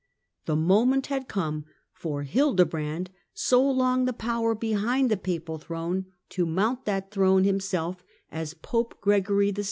The moment had come for Hildebrand, so long the power behind the papal throne, to mount that throne himself as Pope Gregory YII.